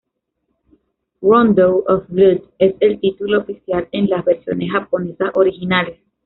Rondo of Blood es el título oficial en las versiones japonesas originales.